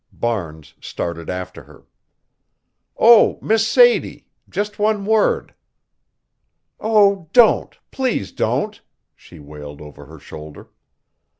Barnes started after her. "Oh, Miss Sadie just one word!" "Oh, don't please don't!" she wailed over her shoulder.